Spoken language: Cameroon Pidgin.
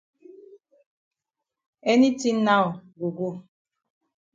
Any tin now go go.